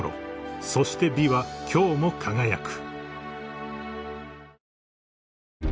［そして美は今日も輝く］